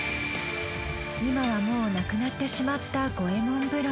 今はもうなくなってしまった五右衛門風呂。